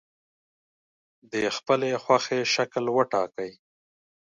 د خپلې خوښې شکل وټاکئ.